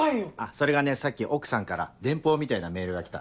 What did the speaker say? それがねさっき奥さんから電報みたいなメールが来た。